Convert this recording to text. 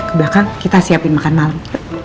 ke belakang kita siapin makan malam